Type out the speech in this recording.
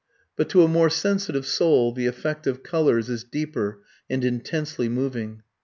But to a more sensitive soul the effect of colours is deeper and intensely moving.